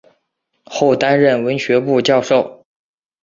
后担任文学部教授。